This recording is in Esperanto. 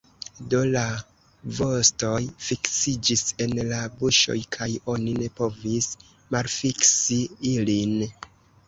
Do, la vostoj fiksiĝis en la buŝoj, kaj oni ne povis malfiksi ilin.